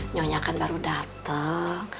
nyonya kan baru dateng